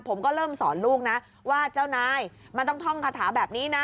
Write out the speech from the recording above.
ผมก็เริ่มสอนลูกนะว่าเจ้านายมันต้องท่องคาถาแบบนี้นะ